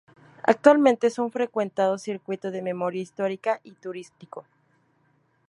Actualmente es un frecuentado circuito de memoria histórica y turístico.